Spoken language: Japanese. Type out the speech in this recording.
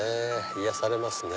癒やされますね。